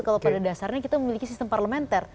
kalau pada dasarnya kita memiliki sistem parlementer